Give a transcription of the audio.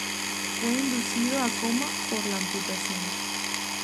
Fue inducido a coma por la amputación.